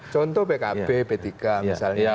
contoh pkb ptk misalnya